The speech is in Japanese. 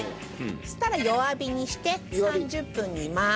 そしたら弱火にして３０分煮ます。